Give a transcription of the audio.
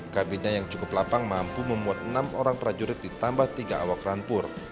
kabinetnya yang cukup lapang mampu memuat enam orang prajurit ditambah tiga awak rampur